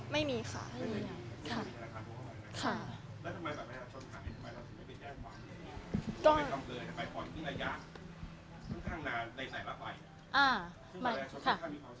ไม่มีค่ะ